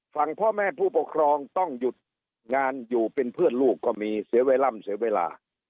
ฝั่งพ่อแม่ผู้ปกครองต้องหยุดงานอยู่เป็นเพื่อนลูกก็มีเสียเวลาเสียเวลา